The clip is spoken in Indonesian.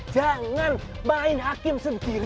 jangan main hakim sendiri